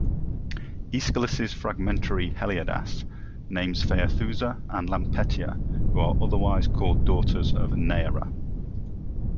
Aeschylus's fragmentary "Heliades" names Phaethousa and Lampetia, who are otherwise called daughters of Neaera.